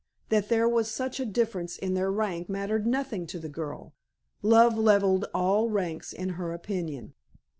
That there was such a difference in their rank mattered nothing to the girl. Love levelled all ranks, in her opinion.